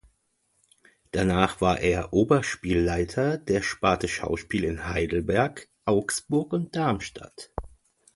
Danach war er Oberspielleiter der Sparte Schauspiel in Heidelberg, Augsburg und Darmstadt.